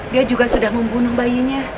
dia juga sudah membunuh bayinya